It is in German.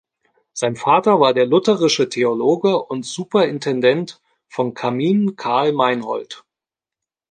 Sein Vater war der lutherische Theologe und Superintendent von Cammin Karl Meinhold.